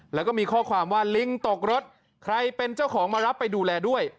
แล้วก็มีข้อความว่าลิงตกรถใครเป็นเจ้าของมารับไปดูแลด้วย